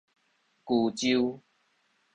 衢州